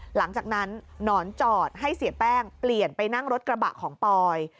หลังจากนั้นหนอนจอดให้เสียแป้งเปลี่ยนไปนั่งรถกระบะของปอย